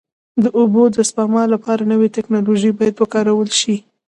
د اوبو د سپما لپاره نوې ټکنالوژي باید وکارول شي.